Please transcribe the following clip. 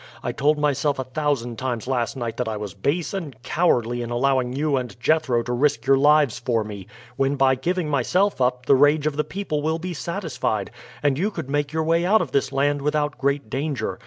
I told myself a thousand times last night that I was base and cowardly in allowing you and Jethro to risk your lives for me, when by giving myself up the rage of the people will be satisfied, and you could make your way out of this land without great danger.